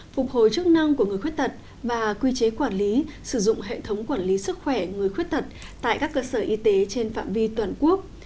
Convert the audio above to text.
phục hồi chức năng của người khuyết tật và quy chế quản lý sử dụng hệ thống quản lý sức khỏe người khuyết tật tại các cơ sở y tế trên phạm vi toàn quốc